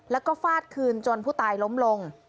แล้วก็ฟาดคืนจนผู้ตายล้มลง